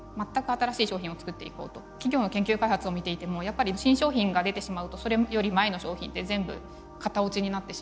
企業の研究開発を見ていてもやっぱり新商品が出てしまうとそれより前の商品って全部型落ちになってしまう。